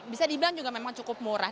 bisa dibilang juga memang cukup murah